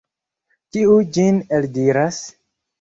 Kiu ĝin eldiras?